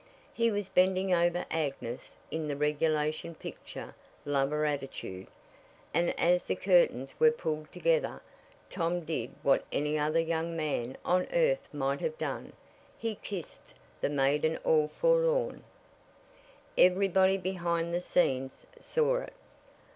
He was bending over Agnes in the regulation picture lover attitude, and as the curtains were pulled together Tom did what any other young man on earth might have done he kissed the Maiden all Forlorn. Everybody behind the scenes saw it.